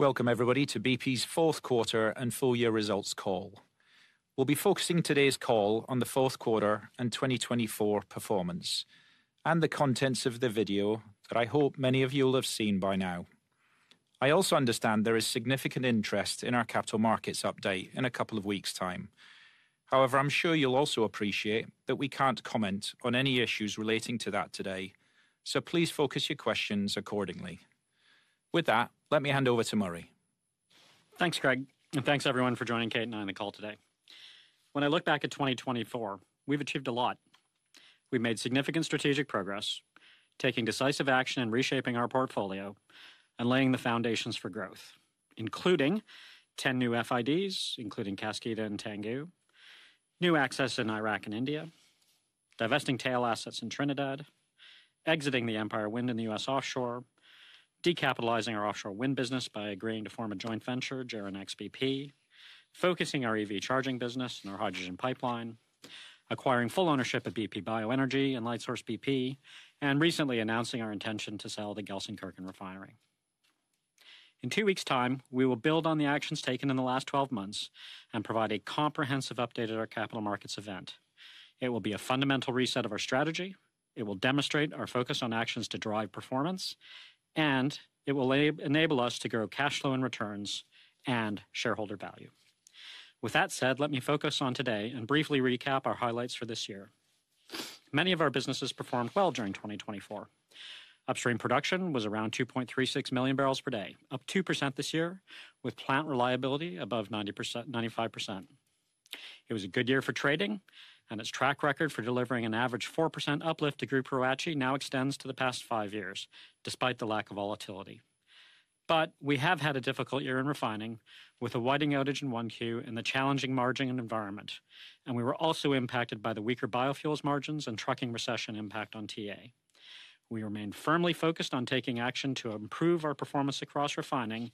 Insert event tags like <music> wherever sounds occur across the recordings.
Welcome, everybody, to BP's Fourth Quarter and Full Year Results Call. We'll be focusing today's call on the fourth quarter and 2024 performance and the contents of the video that I hope many of you will have seen by now. I also understand there is significant interest in our capital markets update in a couple of weeks' time. However, I'm sure you'll also appreciate that we can't comment on any issues relating to that today, so please focus your questions accordingly. With that, let me hand over to Murray. Thanks, Craig, and thanks everyone for joining Kate and I on the call today. When I look back at 2024, we've achieved a lot. We've made significant strategic progress, taking decisive action in reshaping our portfolio and laying the foundations for growth, including 10 new FIDs, including Kaskida and Tangguh, new access in Iraq and India, divesting tail assets in Trinidad, exiting the Empire Wind in the U.S. offshore, decapitalizing our offshore wind business by agreeing to form a joint venture, JERA Nex bp, focusing our EV charging business and our hydrogen pipeline, acquiring full ownership of bp bioenergy and Lightsource bp, and recently announcing our intention to sell the Gelsenkirchen Refinery. In two weeks' time, we will build on the actions taken in the last 12 months and provide a comprehensive update at our capital markets event. It will be a fundamental reset of our strategy. It will demonstrate our focus on actions to drive performance, and it will enable us to grow cash flow and returns and shareholder value. With that said, let me focus on today and briefly recap our highlights for this year. Many of our businesses performed well during 2024. Upstream production was around 2.36 million barrels per day, up 2% this year, with plant reliability above 95%. It was a good year for trading, and its track record for delivering an average 4% uplift to Group ROACE now extends to the past five years, despite the lack of volatility, but we have had a difficult year in refining, with a Whiting outage in 1Q and the challenging margin and environment, and we were also impacted by the weaker biofuels margins and trucking recession impact on TA. We remained firmly focused on taking action to improve our performance across refining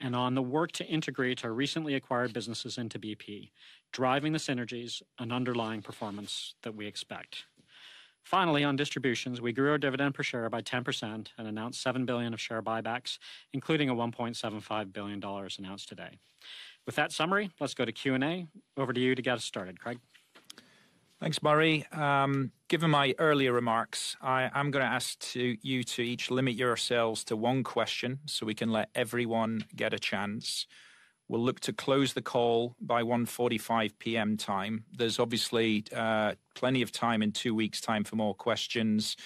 and on the work to integrate our recently acquired businesses into BP, driving the synergies and underlying performance that we expect. Finally, on distributions, we grew our dividend per share by 10% and announced $7 billion of share buybacks, including a $1.75 billion announced today. With that summary, let's go to Q&A. Over to you to get us started, Craig. Thanks, Murray. Given my earlier remarks, I'm going to ask you to each limit yourselves to one question so we can let everyone get a chance. We'll look to close the call by 1:45 P.M. time. There's obviously plenty of time in two weeks' time for more questions.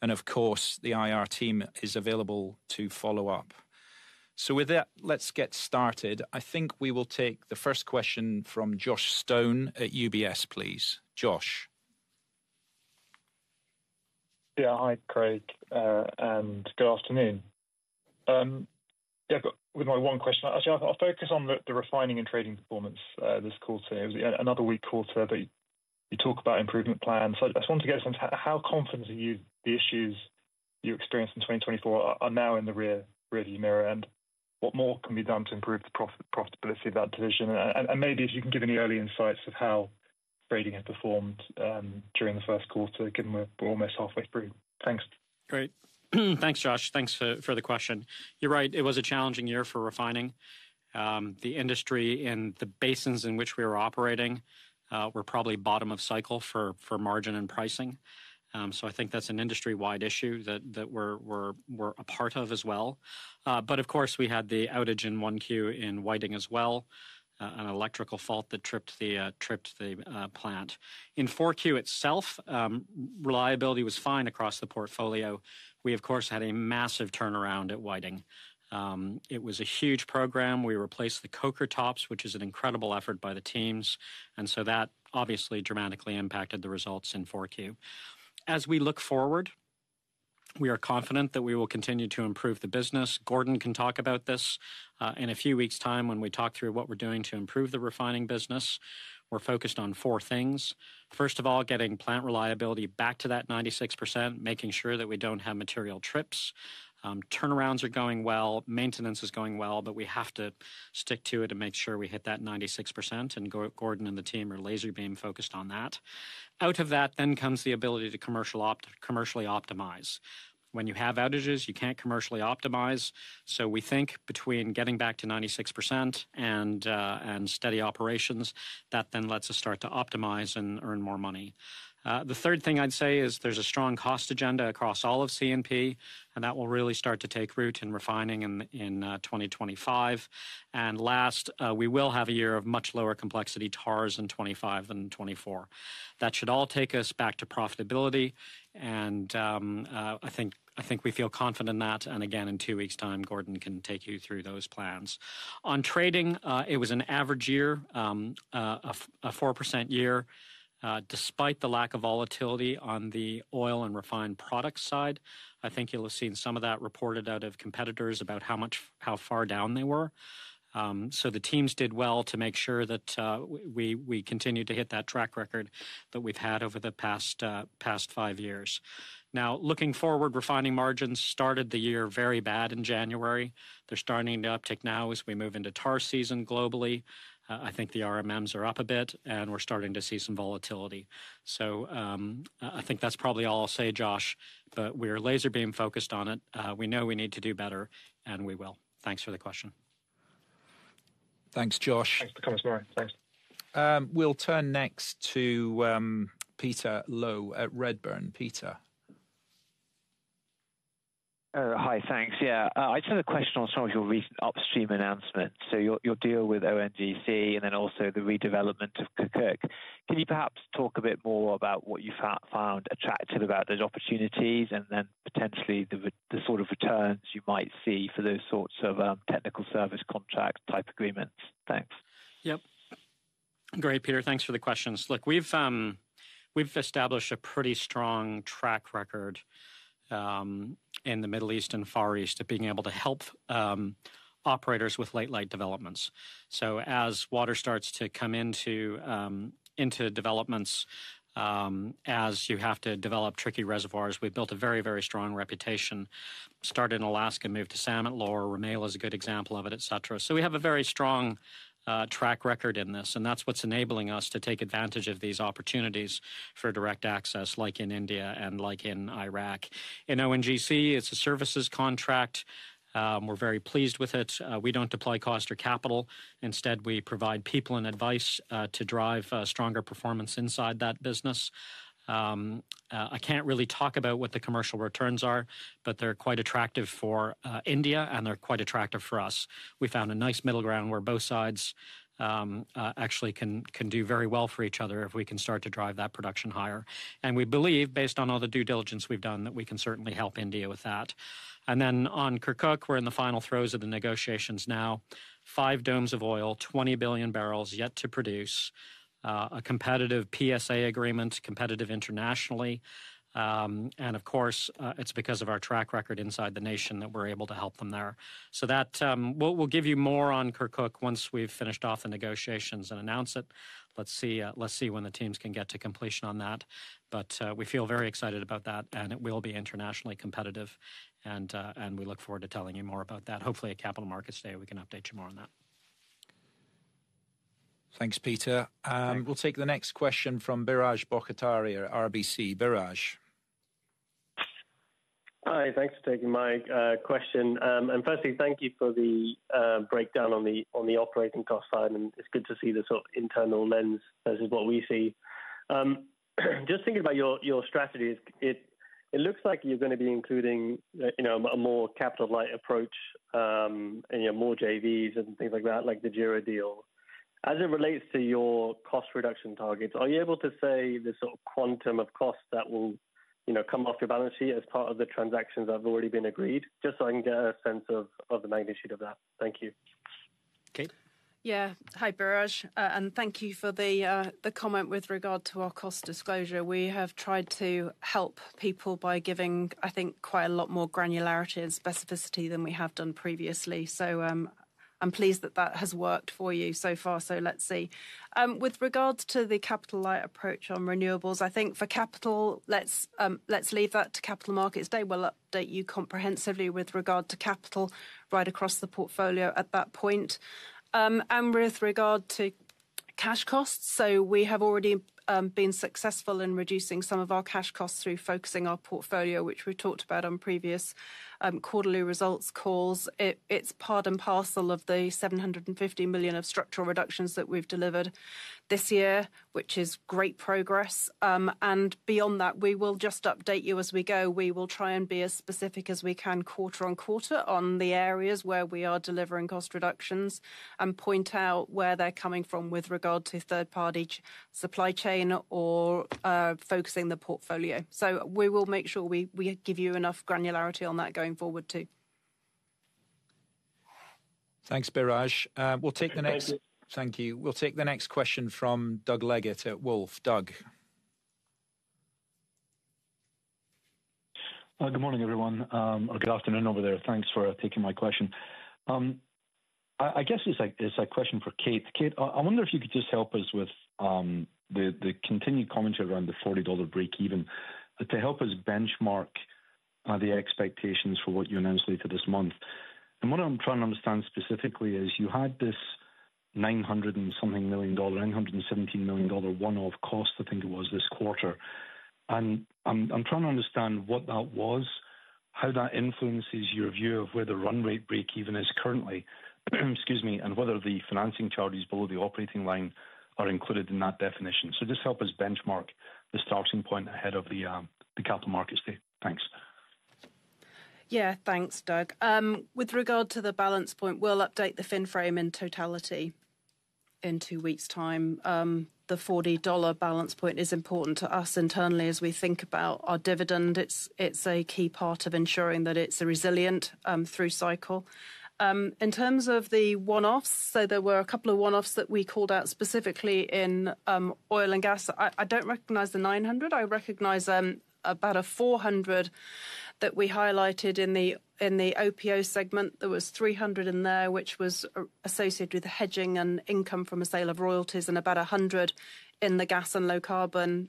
And of course, the IR team is available to follow up. So with that, let's get started. I think we will take the first question from Josh Stone at UBS, please. Josh. Yeah, hi, Craig, and good afternoon. With my one question, I'll focus on the refining and trading performance this quarter. It was another weak quarter, but you talk about improvement plans. I just want to get a sense of how confident are you the issues you experienced in 2024 are now in the rearview mirror, and what more can be done to improve the profitability of that division? And maybe if you can give any early insights of how trading has performed during the first quarter, given we're almost halfway through. Thanks. Great. Thanks, Josh. Thanks for the question. You're right. It was a challenging year for refining. The industry in the basins in which we were operating were probably bottom of cycle for margin and pricing. So I think that's an industry-wide issue that we're a part of as well. But of course, we had the outage in Q1 in Whiting as well, an electrical fault that tripped the plant. In Q4 itself, reliability was fine across the portfolio. We, of course, had a massive turnaround at Whiting. It was a huge program. We replaced the coker tops, which is an incredible effort by the teams. And so that obviously dramatically impacted the results in Q4. As we look forward, we are confident that we will continue to improve the business. Gordon can talk about this in a few weeks' time when we talk through what we're doing to improve the refining business. We're focused on four things. First of all, getting plant reliability back to that 96%, making sure that we don't have material trips. Turnarounds are going well. Maintenance is going well, but we have to stick to it and make sure we hit that 96%. And Gordon and the team are laser-beam focused on that. Out of that then comes the ability to commercially optimize. When you have outages, you can't commercially optimize. So we think between getting back to 96% and steady operations, that then lets us start to optimize and earn more money. The third thing I'd say is there's a strong cost agenda across all of C&P, and that will really start to take root in refining in 2025. And last, we will have a year of much lower complexity TARs in 2025 and 2024. That should all take us back to profitability. And I think we feel confident in that. And again, in two weeks' time, Gordon can take you through those plans. On trading, it was an average year, a 4% year. Despite the lack of volatility on the oil and refined products side, I think you'll have seen some of that reported out of competitors about how far down they were. So the teams did well to make sure that we continue to hit that track record that we've had over the past five years. Now, looking forward, refining margins started the year very bad in January. They're starting to uptick now as we move into TAR season globally. I think the RMMs are up a bit, and we're starting to see some volatility. So I think that's probably all I'll say, Josh, but we're laser-beam focused on it. We know we need to do better, and we will. Thanks for the question. Thanks, Josh. Thanks for coming, Murray. Thanks. We'll turn next to Peter Low at Redburn. Peter. Hi, thanks. Yeah, I'd say the question on some of your recent upstream announcements. So your deal with ONGC and then also the redevelopment of Kirkuk. Can you perhaps talk a bit more about what you found attractive about those opportunities and then potentially the sort of returns you might see for those sorts of technical service contract type agreements? Thanks. Yep. Great, Peter. Thanks for the questions. Look, we've established a pretty strong track record in the Middle East and Far East of being able to help operators with late-life developments. So as water starts to come into developments, as you have to develop tricky reservoirs, we've built a very, very strong reputation. Started in Alaska, moved to Samotlor, Rumaila is a good example of it, etc. So we have a very strong track record in this, and that's what's enabling us to take advantage of these opportunities for direct access, like in India and like in Iraq. In ONGC, it's a services contract. We're very pleased with it. We don't deploy cost or capital. Instead, we provide people and advice to drive stronger performance inside that business. I can't really talk about what the commercial returns are, but they're quite attractive for India, and they're quite attractive for us. We found a nice middle ground where both sides actually can do very well for each other if we can start to drive that production higher. And we believe, based on all the due diligence we've done, that we can certainly help India with that. And then on Kirkuk, we're in the final throes of the negotiations now. Five domes of oil, 20 billion barrels yet to produce, a competitive PSA agreement, competitive internationally. And of course, it's because of our track record inside the nation that we're able to help them there. So that will give you more on Kirkuk once we've finished off the negotiations and announced it. Let's see when the teams can get to completion on that. But we feel very excited about that, and it will be internationally competitive. And we look forward to telling you more about that. Hopefully, at Capital Markets Day, we can update you more on that. Thanks, Peter. We'll take the next question from Biraj Borkhataria at RBC. Biraj. Hi, thanks for taking my question. Firstly, thank you for the breakdown on the operating cost side. It's good to see the sort of internal lens versus what we see. Just thinking about your strategy, it looks like you're going to be including a more capital-light approach and more JVs and things like that, like the JERA deal. As it relates to your cost reduction targets, are you able to say the sort of quantum of cost that will come off your balance sheet as part of the transactions that have already been agreed? Just so I can get a sense of the magnitude of that. Thank you. Kate. Yeah, hi, Biraj. And thank you for the comment with regard to our cost disclosure. We have tried to help people by giving, I think, quite a lot more granularity and specificity than we have done previously. So I'm pleased that that has worked for you so far. So let's see. With regards to the capital-light approach on renewables, I think for capital, let's leave that to Capital Markets Day. We'll update you comprehensively with regard to capital right across the portfolio at that point. And with regard to cash costs, so we have already been successful in reducing some of our cash costs through focusing our portfolio, which we've talked about on previous quarterly results calls. It's part and parcel of the $750 million of structural reductions that we've delivered this year, which is great progress. And beyond that, we will just update you as we go. We will try and be as specific as we can quarter on quarter on the areas where we are delivering cost reductions and point out where they're coming from with regard to third-party supply chain or focusing the portfolio, so we will make sure we give you enough granularity on that going forward too. Thanks, Biraj. We'll take the next. Thank you. Thank you. We'll take the next question from Doug Leggate at Wolfe. Doug. Good morning, everyone. Or good afternoon over there. Thanks for taking my question. I guess it's a question for Kate. Kate, I wonder if you could just help us with the continued commentary around the $40 breakeven to help us benchmark the expectations for what you announced later this month. And what I'm trying to understand specifically is you had this $900-something million, $917 million one-off cost, I think it was, this quarter. And I'm trying to understand what that was, how that influences your view of where the run rate breakeven is currently, excuse me, and whether the financing charges below the operating line are included in that definition. So just help us benchmark the starting point ahead of the Capital Markets Day. Thanks. Yeah, thanks, Doug. With regard to the balance point, we'll update the financial frame in totality in two weeks' time. The $40 balance point is important to us internally as we think about our dividend. It's a key part of ensuring that it's resilient through the cycle. In terms of the one-offs, so there were a couple of one-offs that we called out specifically in oil and gas. I don't recognize the 900. I recognize about a 400 that we highlighted in the OPO segment. There was 300 in there, which was associated with hedging and income from a sale of royalties, and about 100 in the Gas and Low Carbon.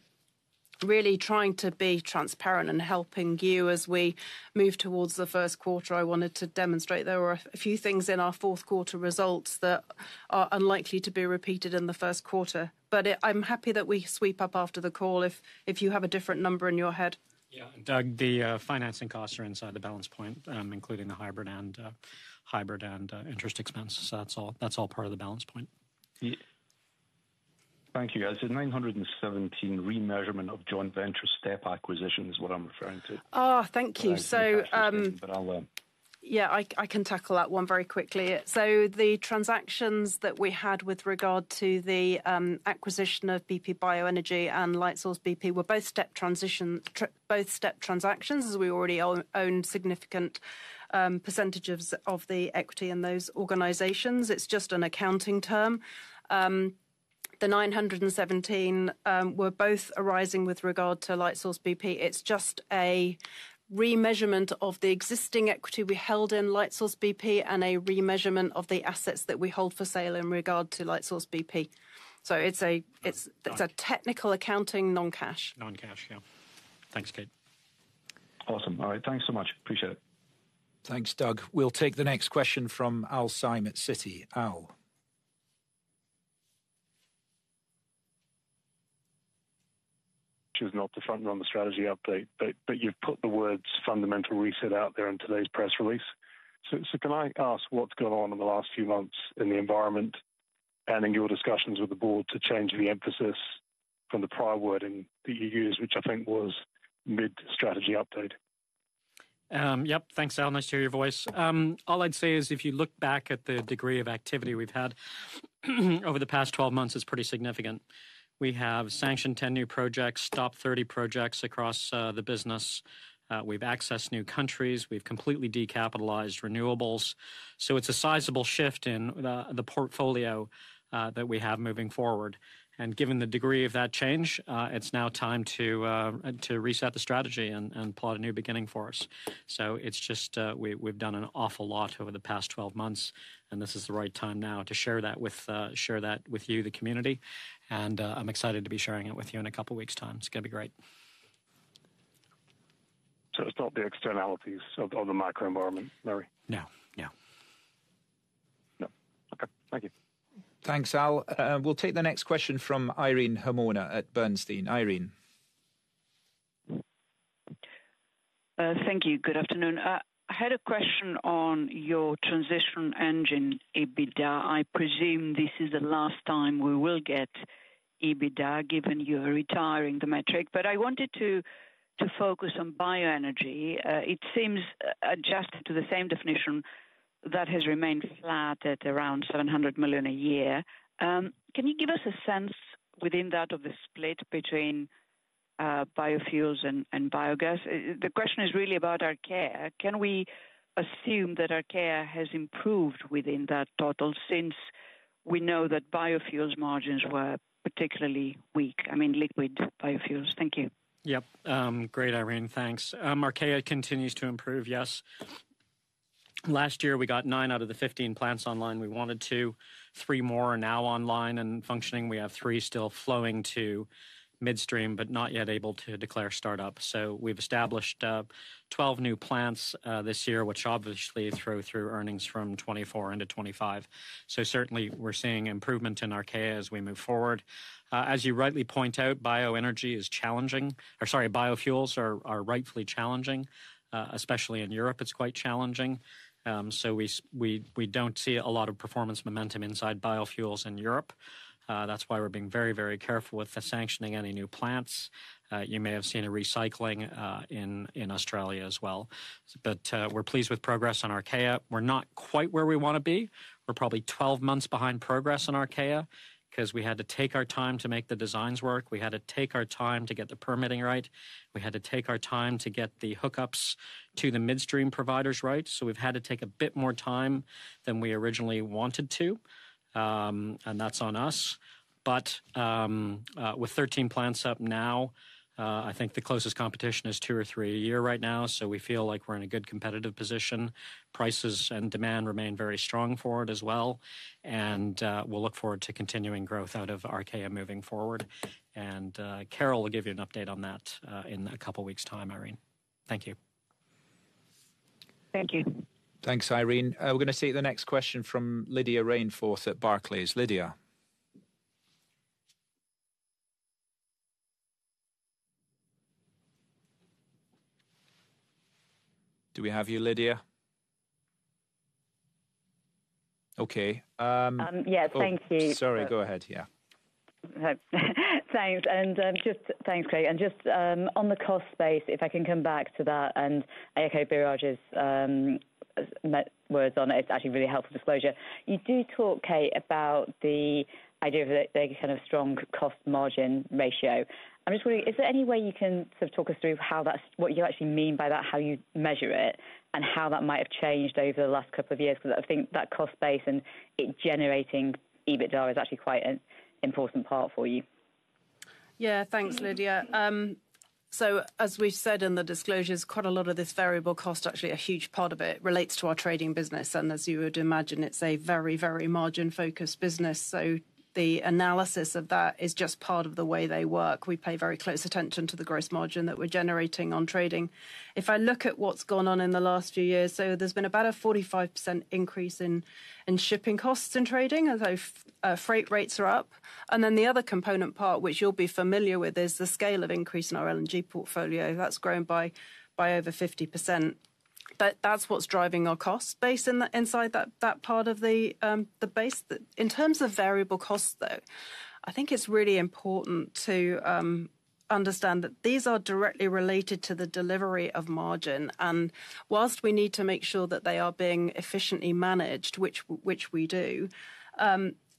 Really trying to be transparent and helping you as we move towards the first quarter, I wanted to demonstrate there were a few things in our fourth quarter results that are unlikely to be repeated in the first quarter. But I'm happy that we sweep up after the call if you have a different number in your head. Yeah, Doug, the financing costs are inside the balance point, including the hybrid and interest expense. So that's all part of the balance point. Thank you, guys. The 917 remeasurement of joint venture step acquisition is what I'm referring to. Oh, thank you. So. But I'll. Yeah, I can tackle that one very quickly. So the transactions that we had with regard to the acquisition of bp bioenergy and Lightsource bp were both step transactions, as we already own significant percentages of the equity in those organizations. It's just an accounting term. The 917 were both arising with regard to Lightsource bp. It's just a remeasurement of the existing equity we held in Lightsource bp and a remeasurement of the assets that we hold for sale in regard to Lightsource bp. So it's a technical accounting, non-cash. Non-cash, yeah. Thanks, Kate. Awesome. All right, thanks so much. Appreciate it. Thanks, Doug. We'll take the next question from Al Syme at Citi. Al. It was not to front-run the strategy update, but you've put the words fundamental reset out there in today's press release, so can I ask what's going on in the last few months in the environment and in your discussions with the board to change the emphasis from the prior wording that you used, which I think was mid-strategy update? Yep, thanks, Al. Nice to hear your voice. All I'd say is if you look back at the degree of activity we've had over the past 12 months, it's pretty significant. We have sanctioned 10 new projects, stopped 30 projects across the business. We've accessed new countries. We've completely decapitalized renewables. So it's a sizable shift in the portfolio that we have moving forward. And given the degree of that change, it's now time to reset the strategy and plot a new beginning for us. So it's just we've done an awful lot over the past 12 months, and this is the right time now to share that with you, the community. And I'm excited to be sharing it with you in a couple of weeks' time. It's going to be great. So it's not the externalities of the microenvironment, Murray? No, no. No. Okay, thank you. Thanks, Al. We'll take the next question from Irene Himona at Bernstein. Irene. Thank you. Good afternoon. I had a question on your transition engine, EBITDA. I presume this is the last time we will get EBITDA given you're retiring the metric. But I wanted to focus on bioenergy. It seems adjusted to the same definition that has remained flat at around $700 million a year. Can you give us a sense within that of the split between biofuels and biogas? The question is really about Archaea. Can we assume that Archaea has improved within that total since we know that biofuels margins were particularly weak? I mean, liquid biofuels. Thank you. Yep. Great, Irene. Thanks. Our Archaea continues to improve, yes. Last year, we got nine out of the 15 plants online we wanted to. Three more are now online and functioning. We have three still flowing to midstream, but not yet able to declare startup. We've established 12 new plants this year, which obviously flow through earnings from 2024 into 2025. Certainly, we're seeing improvement in our Archaea as we move forward. As you rightly point out, bioenergy is challenging, or sorry, biofuels are rightfully challenging, especially in Europe. It's quite challenging. We don't see a lot of performance momentum inside biofuels in Europe. That's why we're being very, very careful with sanctioning any new plants. You may have seen a recycling in Australia as well. But we're pleased with progress on our Archaea. We're not quite where we want to be. We're probably 12 months behind progress on our Archaea because we had to take our time to make the designs work. We had to take our time to get the permitting right. We had to take our time to get the hookups to the midstream providers right, so we've had to take a bit more time than we originally wanted to, and that's on us, but with 13 plants up now, I think the closest competition is two or three a year right now, so we feel like we're in a good competitive position. Prices and demand remain very strong for it as well, and we'll look forward to continuing growth out of our Archaea moving forward, and Carol will give you an update on that in a couple of weeks' time, Irene. Thank you. Thank you. Thanks, Irene. We're going to take the next question from Lydia Rainforth at Barclays. Lydia. Do we have you, Lydia? Okay. Yeah, thank you. Sorry, go ahead, yeah. Thanks. And just thanks, Kate. And just on the cost space, if I can come back to that and <inaudible> words on it, it's actually a really helpful disclosure. You do talk, Kate, about the idea of the kind of strong cost margin ratio. I'm just wondering, is there any way you can sort of talk us through what you actually mean by that, how you measure it, and how that might have changed over the last couple of years? Because I think that cost base and it generating EBITDA is actually quite an important part for you. Yeah, thanks, Lydia. So as we've said in the disclosures, quite a lot of this variable cost, actually a huge part of it, relates to our trading business. And as you would imagine, it's a very, very margin-focused business. So the analysis of that is just part of the way they work. We pay very close attention to the gross margin that we're generating on trading. If I look at what's gone on in the last few years, so there's been about a 45% increase in shipping costs in trading, although freight rates are up. And then the other component part, which you'll be familiar with, is the scale of increase in our LNG portfolio. That's grown by over 50%. That's what's driving our cost base inside that part of the base. In terms of variable costs, though, I think it's really important to understand that these are directly related to the delivery of margin. While we need to make sure that they are being efficiently managed, which we do,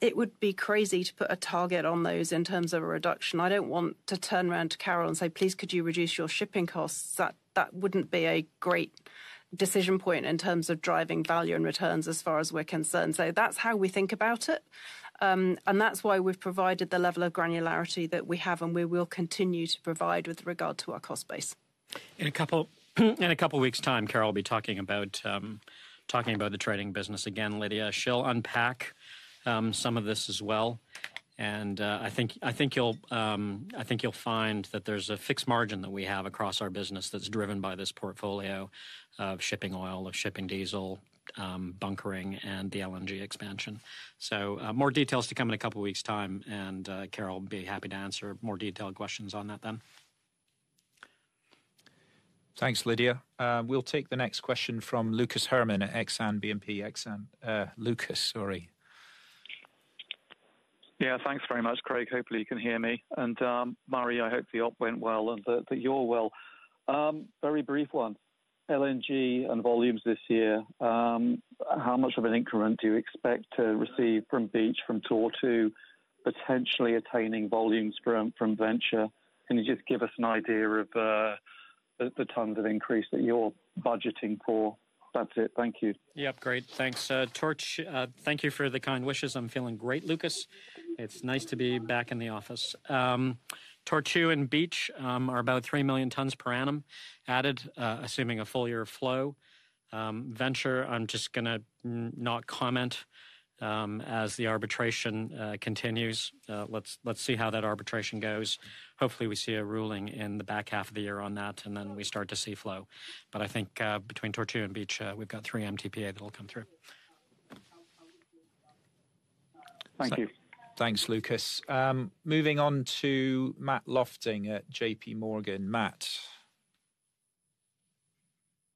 it would be crazy to put a target on those in terms of a reduction. I don't want to turn around to Carol and say, "Please, could you reduce your shipping costs?" That wouldn't be a great decision point in terms of driving value and returns as far as we're concerned. That's how we think about it. That's why we've provided the level of granularity that we have, and we will continue to provide with regard to our cost base. In a couple of weeks' time, Carol will be talking about the trading business again, Lydia. She'll unpack some of this as well, and I think you'll find that there's a fixed margin that we have across our business that's driven by this portfolio of shipping oil, of shipping diesel, bunkering, and the LNG expansion, so more details to come in a couple of weeks' time, and Carol will be happy to answer more detailed questions on that then. Thanks, Lydia. We'll take the next question from Lucas Herrmann at BNP Paribas Exane. Lucas, sorry. Yeah, thanks very much, Craig. Hopefully, you can hear me. And Murray, I hope the op went well and that you're well. Very brief one. LNG and volumes this year, how much of an increment do you expect to receive from Beach, from Tortue, potentially attaining volumes from Venture? Can you just give us an idea of the tons of increase that you're budgeting for? That's it. Thank you. Yep, great. Thanks. <inaudible> thank you for the kind wishes. I'm feeling great, Lucas. It's nice to be back in the office. Tortue and Beach are about three million tons per annum added, assuming a full year of flow. Venture, I'm just going to not comment as the arbitration continues. Let's see how that arbitration goes. Hopefully, we see a ruling in the back half of the year on that, and then we start to see flow. But I think between Tortue and Beach, we've got three MTPA that'll come through. Thank you. Thanks, Lucas. Moving on to Matt Lofting at J.P. Morgan. Matt.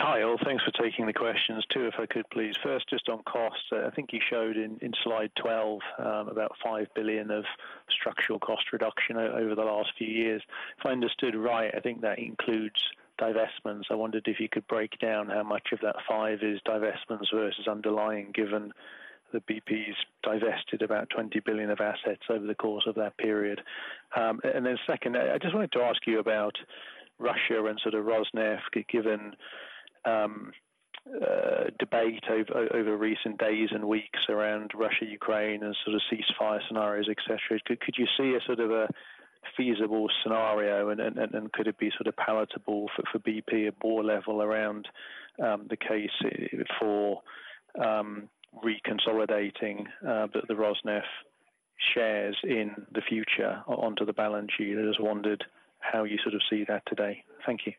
Hi, all. Thanks for taking the questions too, if I could, please. First, just on costs, I think you showed in slide 12 about $5 billion of structural cost reduction over the last few years. If I understood right, I think that includes divestments. I wondered if you could break down how much of that five is divestments versus underlying, given that BP's divested about $20 billion of assets over the course of that period. And then second, I just wanted to ask you about Russia and sort of Rosneft, given debate over recent days and weeks around Russia, Ukraine, and sort of ceasefire scenarios, etc. Could you see a sort of a feasible scenario, and could it be sort of palatable for BP at board level around the case for reconsolidating the Rosneft shares in the future onto the balance sheet? I just wondered how you sort of see that today. Thank you.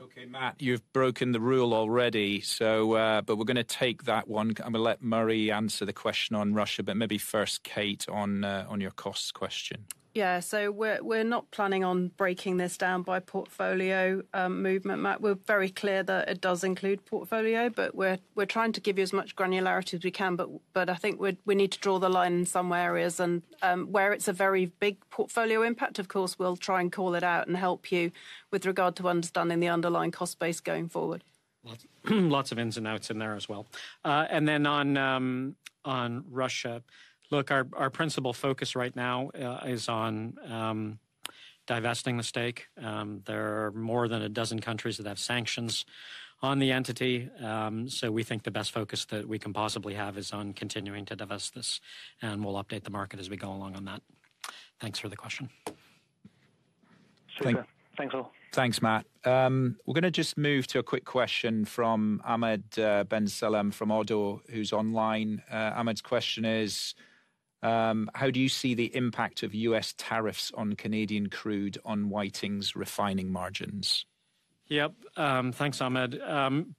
Okay, Matt, you've broken the rule already, but we're going to take that one. I'm going to let Murray answer the question on Russia, but maybe first, Kate, on your cost question. Yeah, so we're not planning on breaking this down by portfolio movement, Matt. We're very clear that it does include portfolio, but we're trying to give you as much granularity as we can. But I think we need to draw the line in some areas. Where it's a very big portfolio impact, of course, we'll try and call it out and help you with regard to understanding the underlying cost base going forward. Lots of ins and outs in there as well. And then on Russia, look, our principal focus right now is on divesting the stake. There are more than a dozen countries that have sanctions on the entity. So we think the best focus that we can possibly have is on continuing to divest this. And we'll update the market as we go along on that. Thanks for the question. Super. Thanks, all. Thanks, Matt. We're going to just move to a quick question from Ahmed Ben Salem from Oddo, who's online. Ahmed's question is, how do you see the impact of US tariffs on Canadian crude on Whiting's refining margins? Yep, thanks, Ahmed.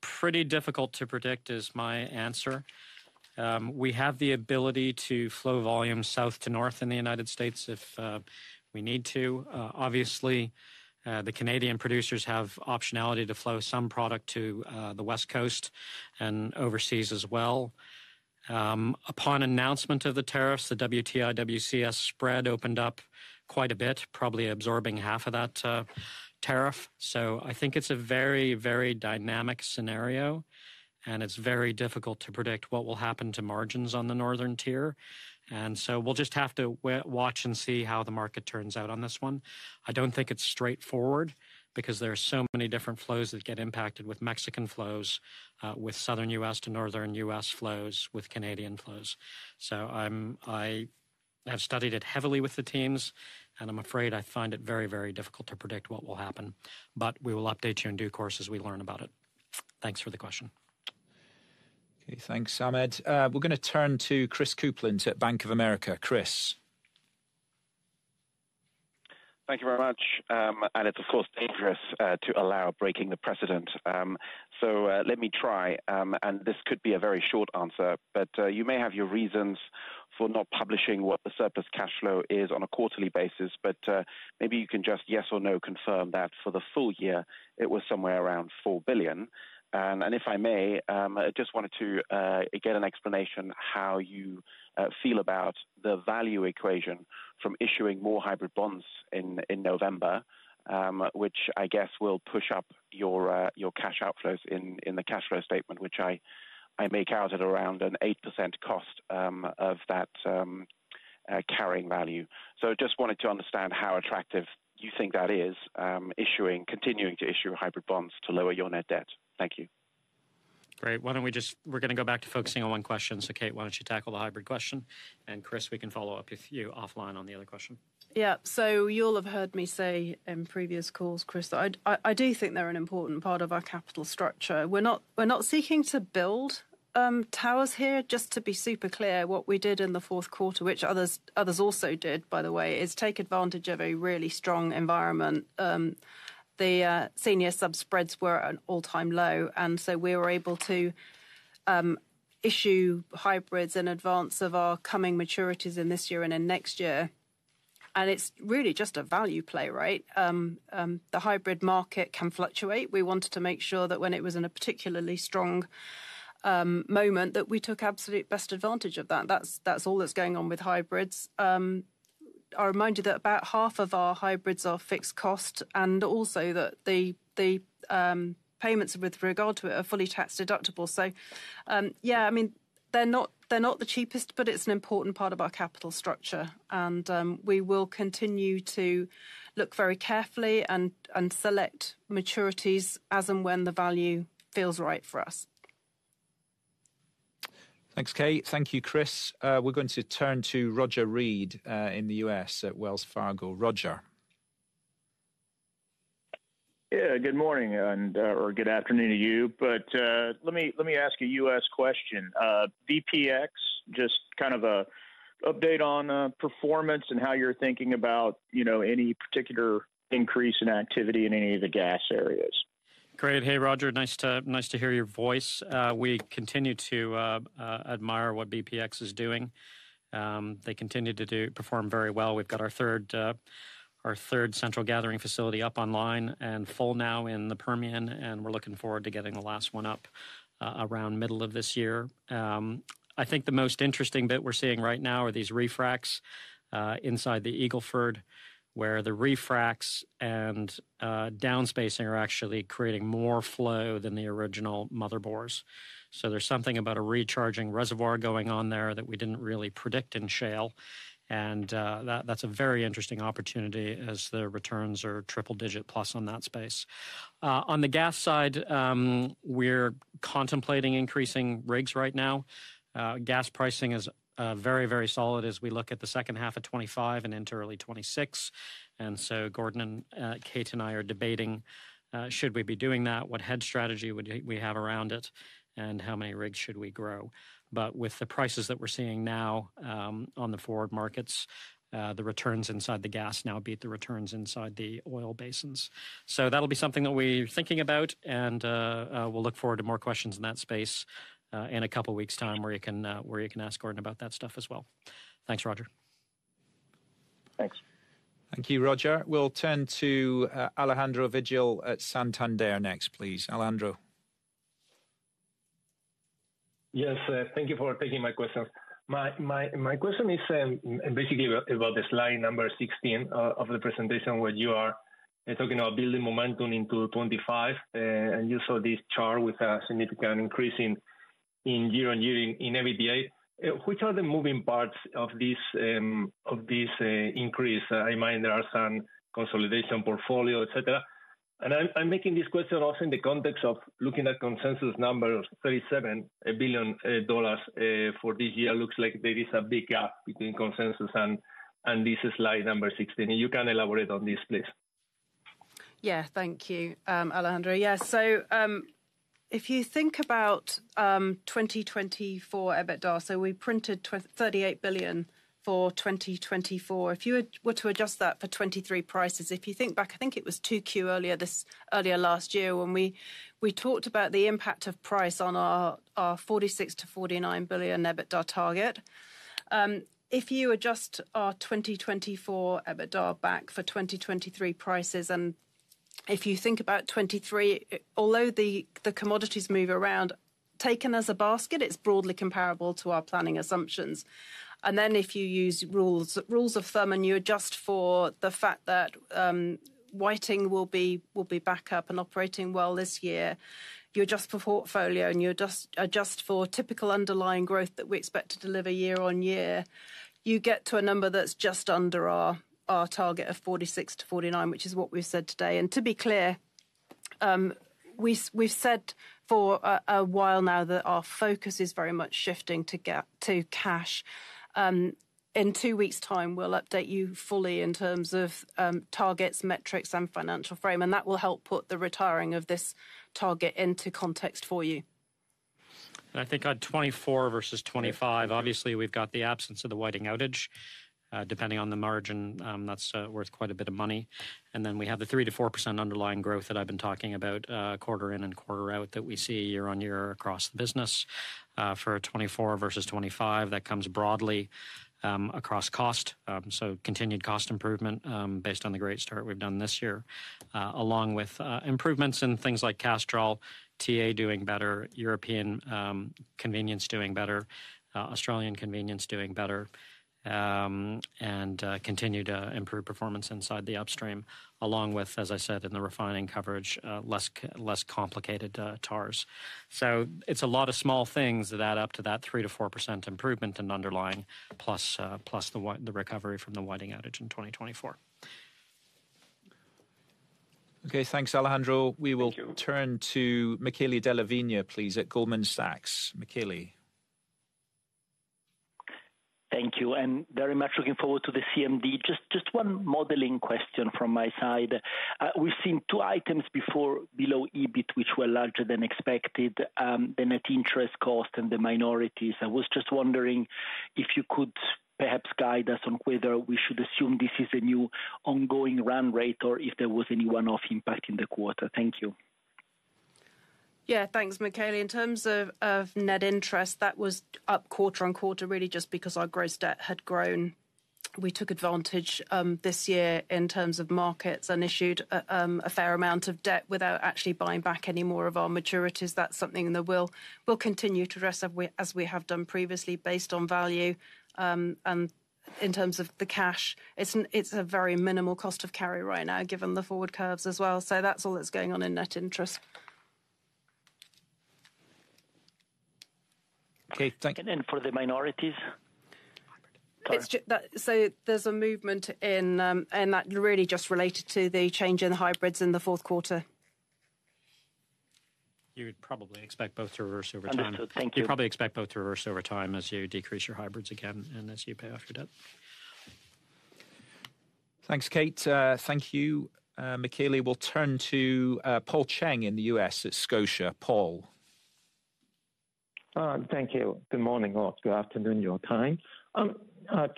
Pretty difficult to predict is my answer. We have the ability to flow volume south to north in the United States if we need to. Obviously, the Canadian producers have optionality to flow some product to the West Coast and overseas as well. Upon announcement of the tariffs, the WTI/WCS spread opened up quite a bit, probably absorbing half of that tariff. So I think it's a very, very dynamic scenario, and it's very difficult to predict what will happen to margins on the northern tier. And so we'll just have to watch and see how the market turns out on this one. I don't think it's straightforward because there are so many different flows that get impacted with Mexican flows, with Southern U.S. to Northern U.S. flows, with Canadian flows. I have studied it heavily with the teams, and I'm afraid I find it very, very difficult to predict what will happen. But we will update you in due course as we learn about it. Thanks for the question. Okay, thanks, Ahmed. We're going to turn to Chris Kuplent at Bank of America. Chris. Thank you very much. And it's, of course, dangerous to allow breaking the precedent. So let me try. And this could be a very short answer, but you may have your reasons for not publishing what the surplus cash flow is on a quarterly basis. But maybe you can just yes or no confirm that for the full year, it was somewhere around $4 billion. And if I may, I just wanted to get an explanation how you feel about the value equation from issuing more hybrid bonds in November, which I guess will push up your cash outflows in the cash flow statement, which I make out at around an 8% cost of that carrying value. So I just wanted to understand how attractive you think that is, issuing, continuing to issue hybrid bonds to lower your net debt. Thank you. Great. Why don't we just, we're going to go back to focusing on one question. So, Kate, why don't you tackle the hybrid question? And Chris, we can follow up with you offline on the other question. Yeah, so you'll have heard me say in previous calls, Chris, that I do think they're an important part of our capital structure. We're not seeking to build towers here. Just to be super clear, what we did in the fourth quarter, which others also did, by the way, is take advantage of a really strong environment. The senior sub spreads were at an all-time low, and so we were able to issue hybrids in advance of our coming maturities in this year and in next year, and it's really just a value play, right? The hybrid market can fluctuate. We wanted to make sure that when it was in a particularly strong moment, that we took absolute best advantage of that. That's all that's going on with hybrids. I remind you that about half of our hybrids are fixed cost, and also that the payments with regard to it are fully tax-deductible. So, yeah, I mean, they're not the cheapest, but it's an important part of our capital structure. And we will continue to look very carefully and select maturities as and when the value feels right for us. Thanks, Kate. Thank you, Chris. We're going to turn to Roger Read in the U.S. at Wells Fargo. Roger. Yeah, good morning, or good afternoon to you. But let me ask a U.S. question. BPX, just kind of an update on performance and how you're thinking about any particular increase in activity in any of the gas areas. Great. Hey, Roger, nice to hear your voice. We continue to admire what BPX is doing. They continue to perform very well. We've got our third central gathering facility up online and full now in the Permian, and we're looking forward to getting the last one up around the middle of this year. I think the most interesting bit we're seeing right now are these re-fracs inside the Eagle Ford, where the re-fracs and downspacing are actually creating more flow than the original motherbores. So there's something about a recharging reservoir going on there that we didn't really predict in shale. And that's a very interesting opportunity as the returns are triple-digit plus on that space. On the gas side, we're contemplating increasing rigs right now. Gas pricing is very, very solid as we look at the second half of 2025 and into early 2026. And so Gordon and Kate and I are debating, should we be doing that? What head strategy would we have around it? And how many rigs should we grow? But with the prices that we're seeing now on the forward markets, the returns inside the gas now beat the returns inside the oil basins. So that'll be something that we're thinking about, and we'll look forward to more questions in that space in a couple of weeks' time where you can ask Gordon about that stuff as well. Thanks, Roger. Thanks. Thank you, Roger. We'll turn to Alejandro Vigil at Santander next, please. Alejandro. Yes, thank you for taking my question. My question is basically about slide number 16 of the presentation where you are talking about building momentum into 2025, and you saw this chart with a significant increase in year-on-year in EBITDA. Which are the moving parts of this increase? I imagine there are some consolidation portfolio, etc. And I'm making this question also in the context of looking at consensus number $37 billion for this year. Looks like there is a big gap between consensus and this slide number 16. You can elaborate on this, please. Yeah, thank you, Alejandro. Yeah, so if you think about 2024 EBITDA, so we printed $38 billion for 2024. If you were to adjust that for 2023 prices, if you think back, I think it was 2Q earlier this last year when we talked about the impact of price on our $46 billion-$49 billion EBITDA target. If you adjust our 2024 EBITDA back for 2023 prices, and if you think about 2023, although the commodities move around, taken as a basket, it's broadly comparable to our planning assumptions. Then if you use rules of thumb and you adjust for the fact that Whiting will be back up and operating well this year, you adjust for portfolio and you adjust for typical underlying growth that we expect to deliver year on year, you get to a number that's just under our target of 46-49, which is what we've said today. To be clear, we've said for a while now that our focus is very much shifting to cash. In two weeks' time, we'll update you fully in terms of targets, metrics, and financial frame, and that will help put the retiring of this target into context for you. I think on 2024 versus 2025, obviously we've got the absence of the Whiting outage. Depending on the margin, that's worth quite a bit of money. Then we have the 3%-4% underlying growth that I've been talking about, quarter in and quarter out that we see year on year across the business. For 2024 versus 2025, that comes broadly across cost. So continued cost improvement based on the great start we've done this year, along with improvements in things like cash draw, TA doing better, European convenience doing better, Australian convenience doing better, and continued improved performance inside the upstream, along with, as I said, in the refining coverage, less complicated TARs. So it's a lot of small things that add up to that 3%-4% improvement in underlying plus the recovery from the Whiting outage in 2024. Okay, thanks, Alejandro. We will turn to Michele Della Vigna, please, at Goldman Sachs. Michele. Thank you. And very much looking forward to the CMD. Just one modeling question from my side. We've seen two items before below EBIT, which were larger than expected, the net interest cost and the minorities. I was just wondering if you could perhaps guide us on whether we should assume this is a new ongoing run rate or if there was any one-off impact in the quarter? Thank you. Yeah, thanks, Michele. In terms of net interest, that was up quarter on quarter really just because our gross debt had grown. We took advantage this year in terms of markets and issued a fair amount of debt without actually buying back any more of our maturities. That's something that we'll continue to address as we have done previously based on value. And in terms of the cash, it's a very minimal cost of carry right now given the forward curves as well. So that's all that's going on in net interest. Okay, thank you. And then for the minorities. So there's a movement in that really just related to the change in the hybrids in the fourth quarter. You would probably expect both to reverse over time. Thank you. You probably expect both to reverse over time as you decrease your hybrids again and as you pay off your debt. Thanks, Kate. Thank you, Michele. We'll turn to Paul Cheng in the U.S. at Scotia. Paul. Thank you. Good morning or good afternoon, your time.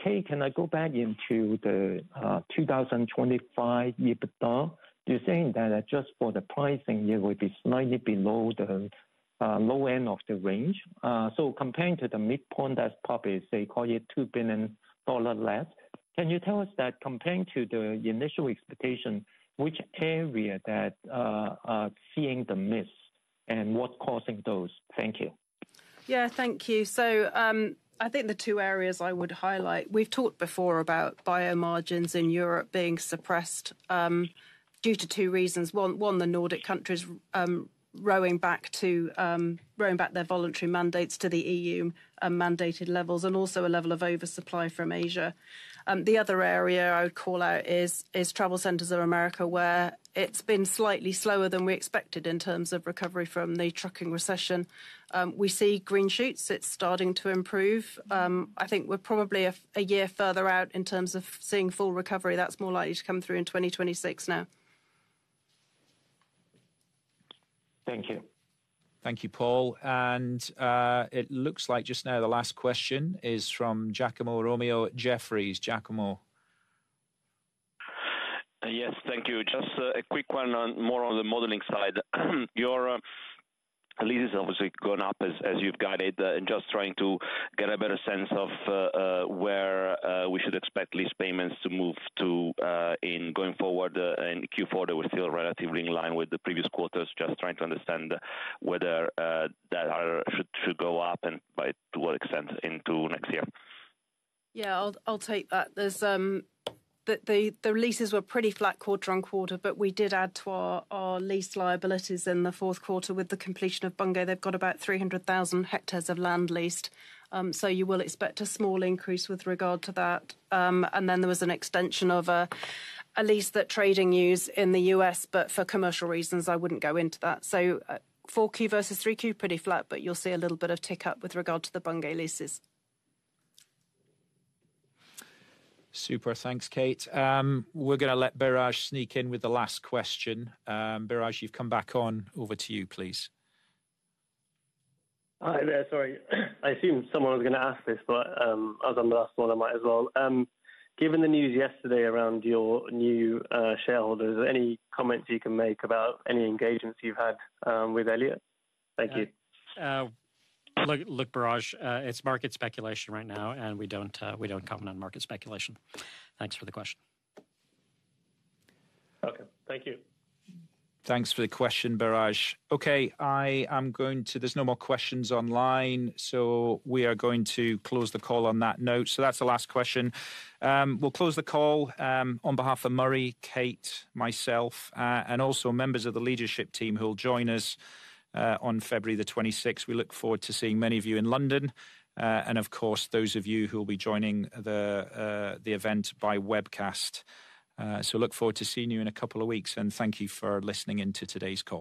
Kate, can I go back into the 2025 EBITDA? You're saying that just for the pricing, it will be slightly below the low end of the range. So compared to the midpoint, that's probably they call it $2 billion less. Can you tell us that compared to the initial expectation, which area that are seeing the miss and what's causing those? Thank you. Yeah, thank you. So I think the two areas I would highlight, we've talked before about bio margins in Europe being suppressed due to two reasons. One, the Nordic countries rolling back their voluntary mandates to the EU mandated levels and also a level of oversupply from Asia. The other area I would call out is TravelCenters of America where it's been slightly slower than we expected in terms of recovery from the trucking recession. We see green shoots. It's starting to improve. I think we're probably a year further out in terms of seeing full recovery. That's more likely to come through in 2026 now. Thank you. Thank you, Paul. And it looks like just now the last question is from Giacomo Romeo at Jefferies. Giacomo. Yes, thank you. Just a quick one more on the modeling side. Your lease is obviously going up as you've guided and just trying to get a better sense of where we should expect lease payments to move to in going forward in Q4. They were still relatively in line with the previous quarters, just trying to understand whether that should go up and by to what extent into next year. Yeah, I'll take that. The leases were pretty flat quarter-on-quarter, but we did add to our lease liabilities in the fourth quarter with the completion of Bunge. They've got about 300,000 hectares of land leased. So you will expect a small increase with regard to that. And then there was an extension of a lease that trading used in the U.S., but for commercial reasons, I wouldn't go into that. So 4Q versus 3Q, pretty flat, but you'll see a little bit of tick up with regard to the Bunge leases. Super. Thanks, Kate. We're going to let Biraj sneak in with the last question. Biraj, you've come back on. Over to you, please. Hi, there. Sorry. I assumed someone was going to ask this, but as I'm the last one, I might as well. Given the news yesterday around your new shareholders, any comments you can make about any engagements you've had with Elliott? Thank you. Look, Biraj, it's market speculation right now, and we don't comment on market speculation. Thanks for the question. Okay. Thank you. Thanks for the question, Biraj. Okay, I am going to—there's no more questions online, so we are going to close the call on that note. So that's the last question. We'll close the call on behalf of Murray, Kate, myself, and also members of the leadership team who will join us on February the 26th. We look forward to seeing many of you in London, and of course, those of you who will be joining the event by webcast, so look forward to seeing you in a couple of weeks, and thank you for listening into today's call.